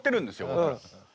僕ら。